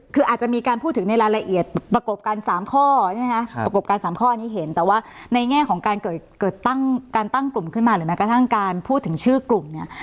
คืออาจจะมีการพูดถึงในรายละเอียดประกบกัน๓ข้อใช่ไหมคะประกบการ๓ข้อนี้เห็นแต่ว่าในแง่ของการเกิดตั้งการตั้งกลุ่มขึ้นมาหรือแม้กระทั่งการพูดถึงชื่อกลุ่มเนี่ย